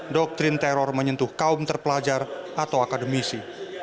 doktrin teror menyentuh kaum terpelajar atau akademisi